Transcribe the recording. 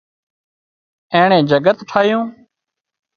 اينڻي جڳت ٺاهيون